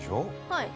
はい。